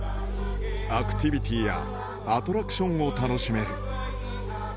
アクティビティやアトラクションを楽しめる。